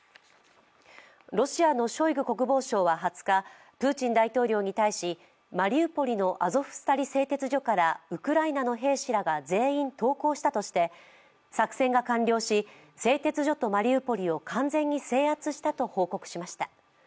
ロシアのショイグ国防相は２０日、プーチン大統領に対しマリウポリのアゾフスタリ製鉄所からウクライナの兵士らが全員投降したとして作戦が完了し、製鉄所とマリウポリを完全に制圧したと報告しました。